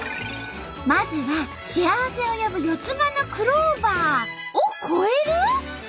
まずは幸せを呼ぶ四つ葉のクローバーを超える！？